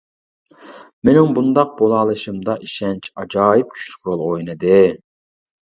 مېنىڭ بۇنداق بولالىشىمدا ئىشەنچ ئاجايىپ كۈچلۈك رول ئوينىدى.